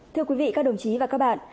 thưa quý vị các đồng chí và các bạn